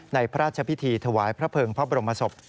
พระราชพิธีถวายพระเภิงพระบรมศพ